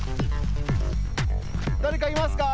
だれかいますか？